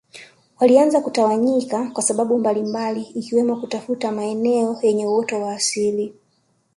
Walianza kutawanyika kwa sababu mbalimbali ikiwemo kutafuta maeneo yenye uoto wa asili